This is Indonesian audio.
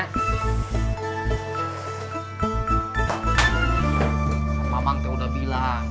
sama mangte udah bilang